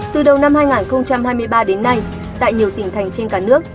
từ đầu năm hai nghìn hai mươi ba đến nay tại nhiều tỉnh thành trên cả nước